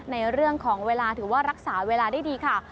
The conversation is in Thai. ในเรื่องของเวลาถือว่ารักษาเวลาได้ดีค่ะ